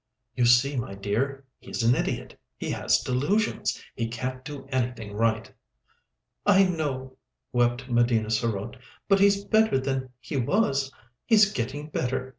"You see, my dear, he's an idiot. He has delusions; he can't do anything right." "I know," wept Medina sarote. "But he's better than he was. He's getting better.